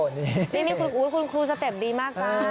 นี่คุณครูสแต่มดีมาก